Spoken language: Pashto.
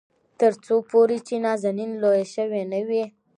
تر څو پورې چې نازنين لويه شوې نه وي.